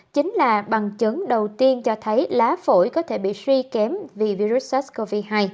chính là bằng chứng đầu tiên cho thấy lá phổi có thể bị suy kém vì virus sars cov hai